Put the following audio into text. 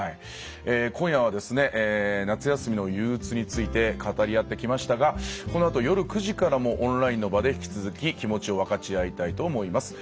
今夜は夏休みのゆううつについて語り合ってきましたがこのあと夜９時からもオンラインの場で引き続き気持ちを分かち合いたいと思います。